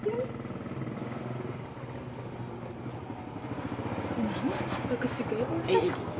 gimana bagus juga ya pak ustadz